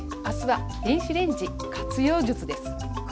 明日は「電子レンジ活用術」です。